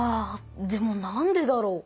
でもなんでだろう？